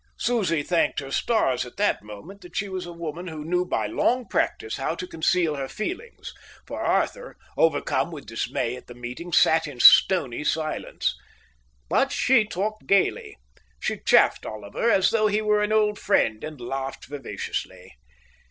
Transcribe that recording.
Susie thanked her stars at that moment that she was a woman who knew by long practice how to conceal her feelings, for Arthur, overcome with dismay at the meeting, sat in stony silence. But she talked gaily. She chaffed Oliver as though he were an old friend, and laughed vivaciously.